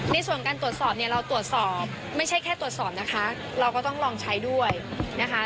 ในส่วนของการตรวจสอบเนี่ยเราตรวจสอบไม่ใช่แค่ตรวจสอบนะคะเราก็ต้องลองใช้ด้วยนะคะ